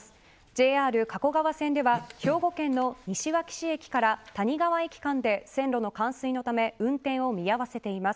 ＪＲ加古川線では兵庫県の西脇市駅から谷川駅間で線路の冠水のため運転を見合わせています。